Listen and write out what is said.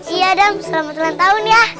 iya dong selamat ulang tahun ya